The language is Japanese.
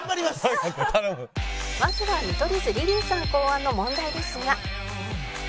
まずは見取り図リリーさん考案の問題ですが